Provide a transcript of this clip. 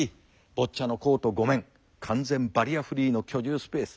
ボッチャのコート５面完全バリアフリーの居住スペース。